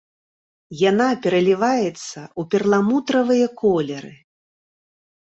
Яна пераліваецца ў перламутравыя колеры.